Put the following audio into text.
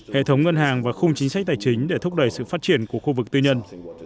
hệ thống ngân hàng và khung chính sách tài chính để thúc đẩy sự phát triển của khu vực tư nhân